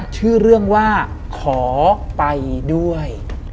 ชื่อเรื่องว่าขอไปด้วย